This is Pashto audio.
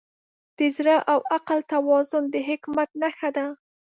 د زړه او عقل توازن د حکمت نښه ده.